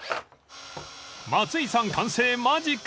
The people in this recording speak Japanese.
［松居さん完成間近］